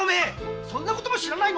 そんなことも知らないの？